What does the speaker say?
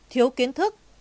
thiếu kiến thức